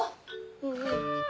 うんうん。